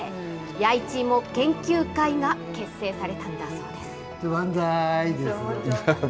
弥一芋研究会が結成されたんだそうです。